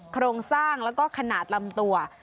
โครงสร้างแล้วก็ขนาดลำตัว